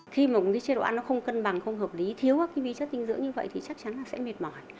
khi một cái chế độ ăn nó không cân bằng không hợp lý thiếu cái vị chất dinh dưỡng như vậy thì chắc chắn là sẽ mệt mỏi